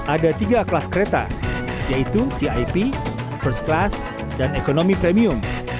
ada tiga kelas kereta yaitu vip first class dan ekonomi premium